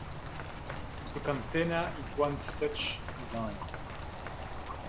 The Cantenna is one such design.